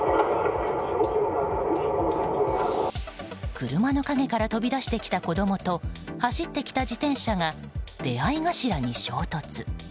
車の陰から飛び出してきた子供と走ってきた自転車が出合い頭に衝突。